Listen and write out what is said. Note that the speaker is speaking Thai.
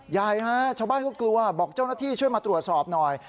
ใหญ่ฮะชาวบ้านเขากลัวบอกเจ้าหน้าที่ช่วยมาตรวจสอบหน่อย